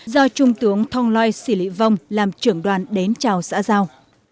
do trung tướng thong loi sĩ lị vông làm trưởng đoàn đến chào xã giao